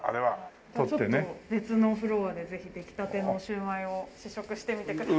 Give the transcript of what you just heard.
ちょっと別のフロアでぜひできたてのシウマイを試食してみてください。